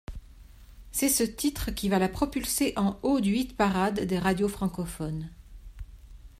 C'est ce titre qui va la propulser en haut du hit-parade des radios francophones.